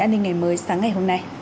an ninh ngày mới sáng ngày hôm nay